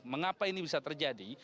mengapa ini bisa terjadi